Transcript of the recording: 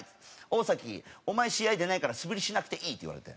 「大崎お前試合出ないから素振りしなくていい」って言われて。